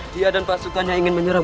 dia dan pasukannya ingin menyerap